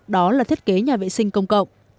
đó là thiết kế nhà vệ sinh công cộng